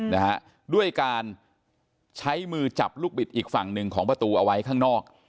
นะฮะด้วยการใช้มือจับลูกบิดอีกฝั่งหนึ่งของประตูเอาไว้ข้างนอก